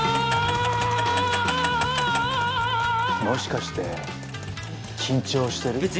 もしかして緊張してる？